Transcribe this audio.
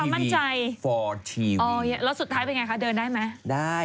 แล้วสุดท้ายเป็นยังไงคะเดินได้ไหม